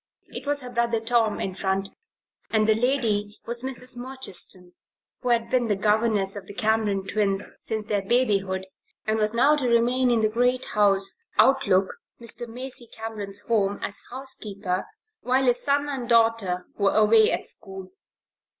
It was her brother Tom in front, and the lady was Mrs. Murchiston, who had been the governess of the Cameron twins since their babyhood, and was now to remain in the great house "Outlook" Mr. Macy Cameron's home, as housekeeper, while his son and daughter were away at school.